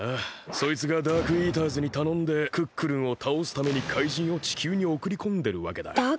そいつがダークイーターズにたのんでクックルンをたおすために怪人を地球におくりこんでるわけだ。